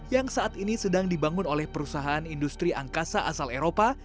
yang saat ini sedang dibangun oleh perusahaan industri angkasa asal eropa